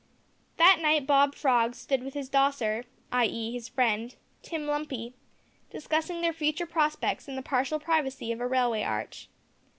That night Bob Frog stood with his dosser, (i.e. his friend), Tim Lumpy, discussing their future prospects in the partial privacy of a railway arch.